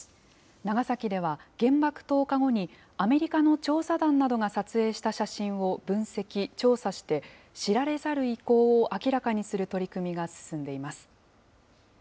長崎では原爆投下後に、アメリカの調査団などが撮影した写真を分析・調査して、知られざる遺構を明らかにする取り組みが進んでいます。